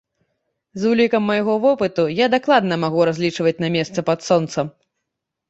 З улікам майго вопыту я дакладна магу разлічваць на месца пад сонцам!